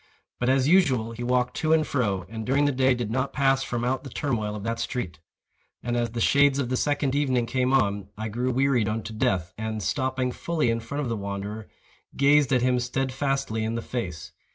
But, as usual, he walked to and fro, and during the day did not pass from out the turmoil of that street. And, as the shades of the second evening came on, I grew wearied unto death, and, stopping fully in front of the wanderer, gazed at him steadfastly in the face.